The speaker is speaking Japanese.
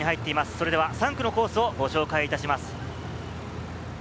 それでは３区のコースをご紹介いたします。